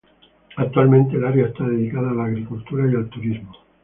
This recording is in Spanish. Actualmente el área está dedicada a la agricultura y al turismo.